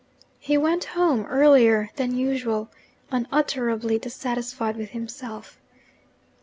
He went home earlier than usual unutterably dissatisfied with himself.